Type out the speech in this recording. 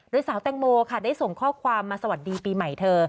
โดยสาวแตงโมค่ะได้ส่งข้อความมาสวัสดีปีใหม่เธอ